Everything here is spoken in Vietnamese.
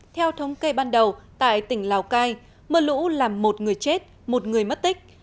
theo thống kê ban đầu tại tỉnh lào cai mưa lũ làm một người chết một người mất tích